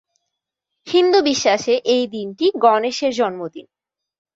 হিন্দু বিশ্বাসে এই দিনটি গণেশের জন্মদিন।